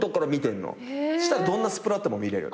そしたらどんなスプラッターも見れる。